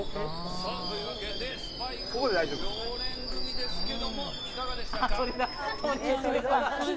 さあ、というわけでスパイク、もう常連組ですけれども、いかがでしたか？